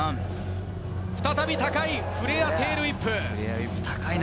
再び高いフレアテールウィップ！